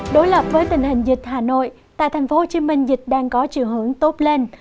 đối lập với tình hình dịch hà nội tại tp hcm dịch đang có triều hưởng tốt lên